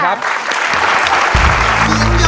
หวานค่ะ